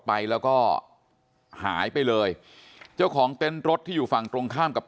ไปแล้วก็หายไปเลยเจ้าของเต็นต์รถที่อยู่ฝั่งตรงข้ามกับ